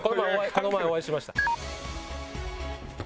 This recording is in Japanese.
この前お会いしました。